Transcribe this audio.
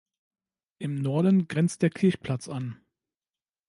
Im Norden grenzt der Kirchplatz an.